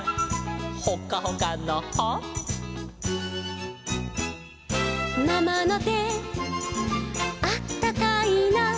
「ほっかほかのほ」「ママのてあったかいな」